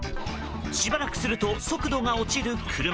しばらくすると速度が落ちる車。